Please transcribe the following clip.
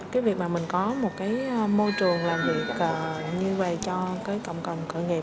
cái việc mà mình có một cái môi trường làm việc như về cho cái cộng đồng khởi nghiệp